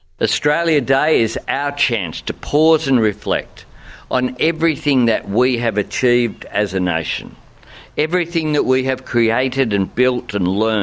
kami telah menciptakan membina dan belajar lewat kita sepanjang sepanjang kisah ketua western kita